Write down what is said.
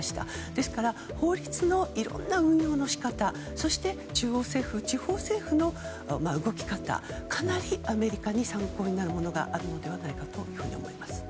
ですから法律のいろんな運用の仕方そして、中央政府地方政府の動き方はかなりアメリカに参考になるものがあるのではないかと思います。